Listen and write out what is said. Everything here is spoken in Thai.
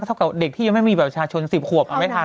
เท่ากับเด็กที่ยังไม่มีประชาชน๑๐ขวบเอาไม่ทัน